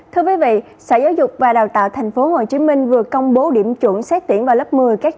thưa quý vị sở giáo dục và đào tạo tp hcm vừa công bố điểm chuẩn xét tiễn vào lớp một mươi các trường trung học